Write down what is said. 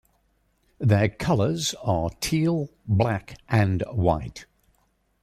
Their colours are teal, black and white.